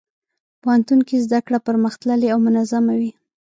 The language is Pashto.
پوهنتون کې زدهکړه پرمختللې او منظمه وي.